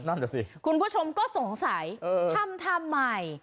นั่นแหละสิคุณผู้ชมก็สงสัยทำทำไม